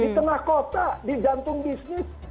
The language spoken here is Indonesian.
di tengah kota di jantung bisnis